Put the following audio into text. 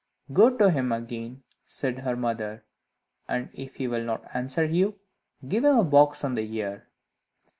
"Go to him again," said her mother, "and if he will not answer you, give him a box on the ear."